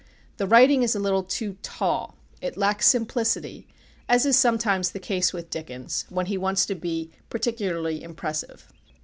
The writing is a little too tall. It lacks simplicity, as is sometimes the case with Dickens, when he wants to be particularly impressive.